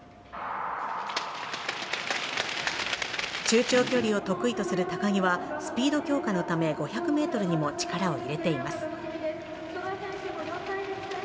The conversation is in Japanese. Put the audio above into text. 中長距離を得意する高木は、スピード強化のため５００ｍにも力を入れています。